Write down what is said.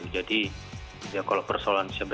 jadi ya kalau persoalan siap